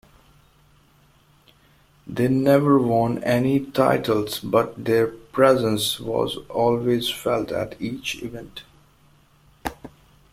They never won any titles but their presence was always felt at each event.